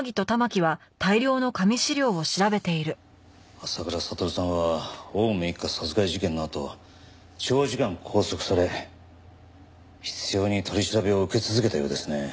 浅倉悟さんは青梅一家殺害事件のあと長時間拘束され執拗に取り調べを受け続けたようですね。